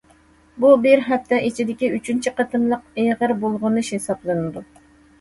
بۇ بىر ھەپتە ئىچىدىكى ئۈچىنچى قېتىملىق ئېغىر بۇلغىنىش ھېسابلىنىدۇ.